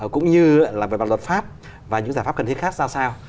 cũng như là bài bản luật pháp và những giải pháp cần thiết khác ra sao